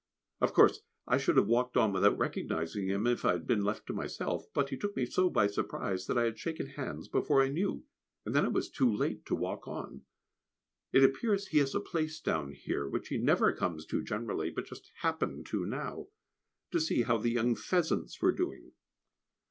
Of course I should have walked on without recognising him, if I had been left to myself, but he took me so by surprise that I had shaken hands before I knew, and then it was too late to walk on. It appears he has a place down here which he never comes to generally, but just happened to now to see how the young pheasants were doing.